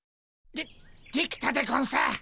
でできたでゴンス！